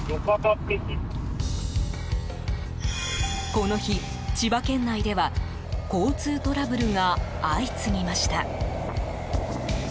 この日、千葉県内では交通トラブルが相次ぎました。